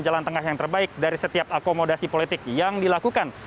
jalan tengah yang terbaik dari setiap akomodasi politik yang dilakukan